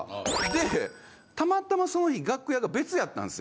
でたまたまその日楽屋が別やったんすよ。